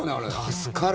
助かる。